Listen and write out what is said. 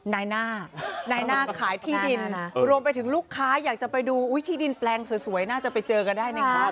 นายหน้านายหน้าขายที่ดินรวมไปถึงลูกค้าอยากจะไปดูที่ดินแปลงสวยน่าจะไปเจอกันได้นะครับ